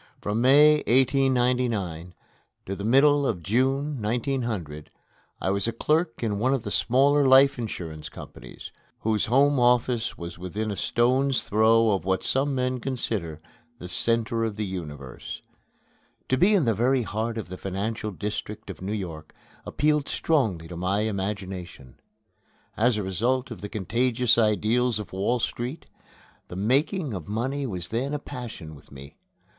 From May, 1899, till the middle of June, 1900, I was a clerk in one of the smaller life insurance companies, whose home office was within a stone's throw of what some men consider the center of the universe. To be in the very heart of the financial district of New York appealed strongly to my imagination. As a result of the contagious ideals of Wall Street, the making of money was then a passion with me.